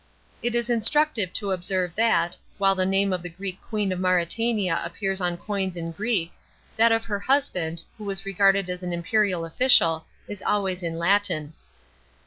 It is instructive to observe that, while the name of the Greek queen of Mauretania appears on coins in Greek, that of her husband, who was regarded as an imperial official, is always in Latin.